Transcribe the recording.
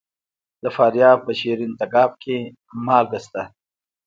د فاریاب په شیرین تګاب کې مالګه شته.